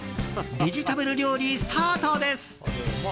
ベジタブル料理スタートです。